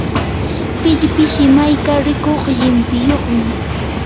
pillpish imayka rikuq llimpiyuqmi.